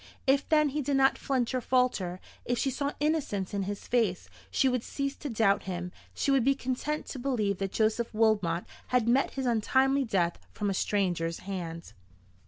If then he did not flinch or falter, if she saw innocence in his face, she would cease to doubt him, she would be content to believe that Joseph Wilmot had met his untimely death from a stranger's hand.